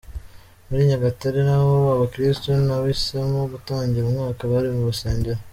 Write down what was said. Muri Nyagatare naho abakristu nahisemo gutangira umwaka bari mu rusengero.